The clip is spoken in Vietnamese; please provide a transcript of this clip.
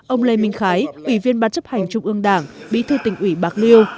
ông lê minh khái ủy viên ban chấp hành trung ương đảng bí thư tỉnh ủy bạc liêu